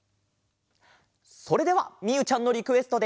それではみゆちゃんのリクエストで。